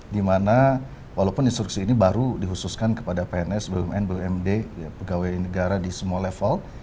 dimana walaupun instruksi ini baru dihususkan kepada pns bumn bumd pegawai negara di semua level